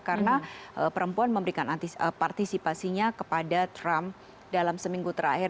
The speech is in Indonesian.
karena perempuan memberikan partisipasinya kepada trump dalam seminggu terakhir